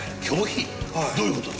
どういう事だ。